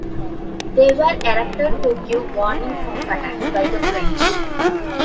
They were erected to give warning of attacks by the French.